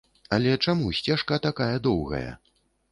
Але чаму сцежка такая доўгая?